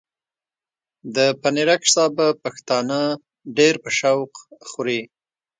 د پنېرک سابه پښتانه ډېر په شوق خوري۔